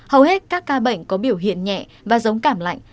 hầu hết các ca bệnh có biểu hiện nhẹ và giống cảm lạnh